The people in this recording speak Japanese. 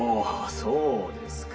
そうですか。